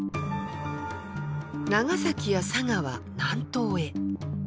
長崎や佐賀は南東へ。